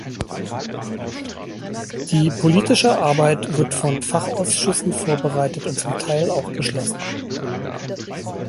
Die politische Arbeit wird von Fachausschüssen vorbereitet und zum Teil auch beschlossen.